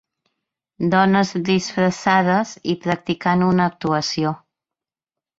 Dones disfressades i practicant una actuació.